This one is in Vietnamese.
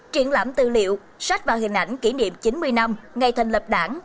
triển lãm tư liệu sách và hình ảnh kỷ niệm chín mươi năm ngày thành lập đảng